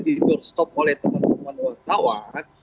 ditorstop oleh teman teman wartawan